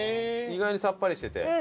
意外にさっぱりしてて。